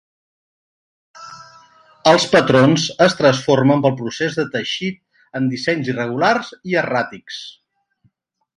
Els patrons es transformen pel procés de teixit en dissenys irregulars i erràtics.